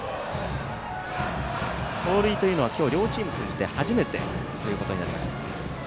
盗塁というのは今日両チーム通じて初めてになりました。